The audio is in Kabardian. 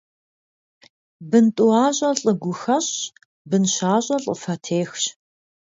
Бын тӀуащӀэ лӀы гу хэщӀщ, бын щащӀэ лӀы фэ техщ.